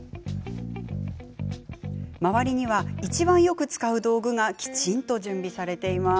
周りにはいちばんよく使う道具がきちんと準備されています。